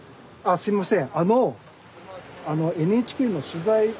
すいません。